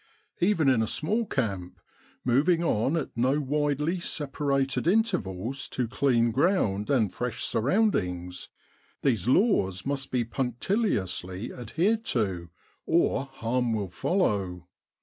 Even in a small camp, moving on at no widely separated intervals to clean ground and fresh surroundings, these laws must be punctiliously adhered to, or harm will follow.